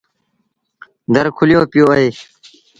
در کليو پيو اهي